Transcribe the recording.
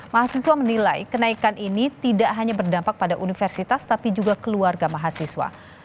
mahasiswa menilai kenaikan ini tidak hanya berdampak pada universitas tapi juga keluarga mahasiswa